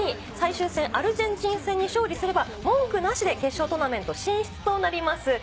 最終戦、アルゼンチン戦に勝利すれば文句なしで決勝トーナメント進出となります。